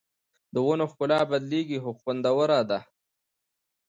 د ونو ښکلا بدلېږي خو خوندوره ده